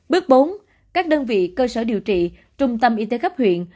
bước bốn các đơn vị cơ sở điều trị trung tâm y tế cấp huyện